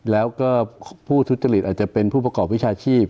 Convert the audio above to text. แล้วก็ผู้ทุจริตอาจจะเป็นผู้ประกอบวิชาชีพ